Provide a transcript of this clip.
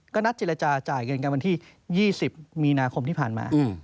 ก็นัดเจรจาจ่ายเงินกันวันที่๒๐มีนาคมที่ผ่านมา